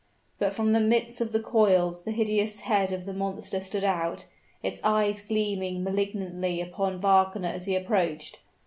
But from the midst of the coils the hideous head of the monster stood out its eyes gleaming malignantly upon Wagner as he approached.